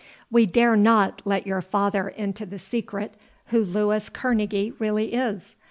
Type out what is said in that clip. "We dare not let your father into the secret who Louis Kerneguy really is.